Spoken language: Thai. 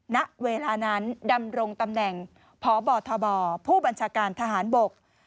ณเวลานั้นดำรงตำแหน่งพบทบผู้บัญชาการทหารบก